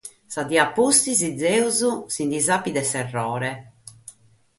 Sa die a pustis Zeus si sapit de s’errore.